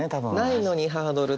ないのにハードルって。